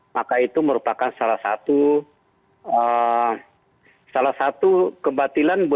maka itu merupakan salah satu kebatilan